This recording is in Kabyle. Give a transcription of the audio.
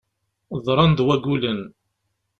Ḍran-d wagulen.